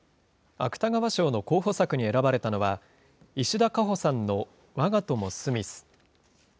芥川賞の候補作に選ばれたのは、石田夏穂さんの我が友、スミス。